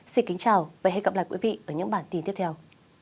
xin kính chào và hẹn gặp lại quý vị ở những bản tin tiếp theo